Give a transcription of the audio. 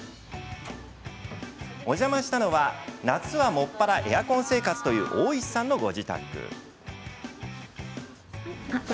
お邪魔したのは夏は専らエアコン生活という大石さんのご自宅。